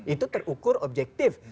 itu terukur objektif